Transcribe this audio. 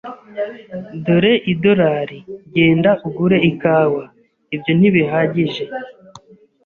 "Dore idorari. Genda ugure ikawa." "Ibyo ntibihagije."